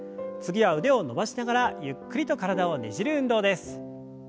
次は腕を伸ばしながらゆっくりと体をねじる運動です。